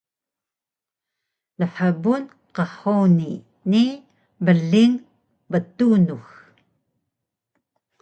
lhbun qhuni ni bling btunux